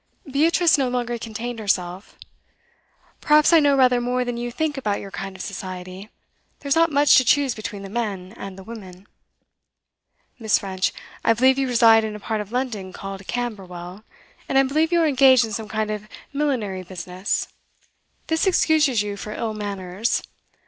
Beatrice no longer contained herself. 'Perhaps I know rather more than you think about your kind of society. There's not much to choose between the men and the women.' 'Miss. French, I believe you reside in a part of London called Camberwell. And I believe you are engaged in some kind of millinery business. This excuses you for ill manners.